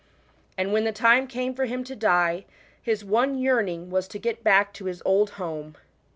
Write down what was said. And when the time came for him to die, his one yearning was to get back to his old home.